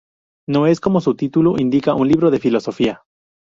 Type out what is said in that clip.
No es como su título indica un libro de filosofía.